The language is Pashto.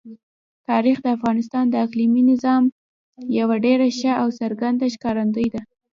تاریخ د افغانستان د اقلیمي نظام یوه ډېره ښه او څرګنده ښکارندوی ده.